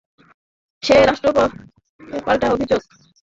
তবে রাষ্ট্রপক্ষের পাল্টা অভিযোগ, জেরার নামে আসামিপক্ষ অহেতুক সময় নষ্ট করছে।